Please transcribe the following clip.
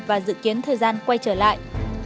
và dự kiến thời gian quay trở lại